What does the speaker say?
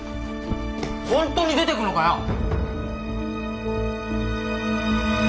ホントに出てくのかよ